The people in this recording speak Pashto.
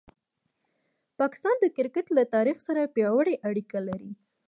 پاکستان د کرکټ له تاریخ سره پیاوړې اړیکه لري.